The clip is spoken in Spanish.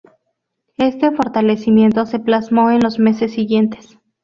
Este fortalecimiento se plasmó en los meses siguientes.